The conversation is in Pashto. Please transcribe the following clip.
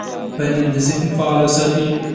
پنېر د ذهن فعاله ساتي.